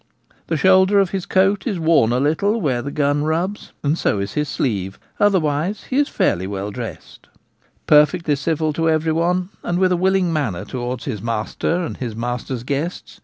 The shoulder of his coat is worn a little where the gun rubs, and so is his sleeve ; otherwise he is fairly well dressed. Perfectly civil to every one, and with a willing manner towards his master and his master's guests, His Influence and Advice.